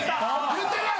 言ってない！